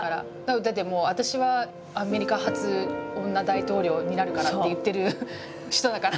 だってもう「私はアメリカ初女大統領になるから」って言ってる人だから。